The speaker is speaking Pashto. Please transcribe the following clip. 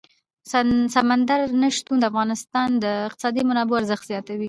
سمندر نه شتون د افغانستان د اقتصادي منابعو ارزښت زیاتوي.